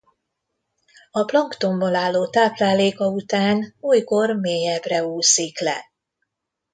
A planktonból álló tápláléka után olykor mélyebbre úszik le.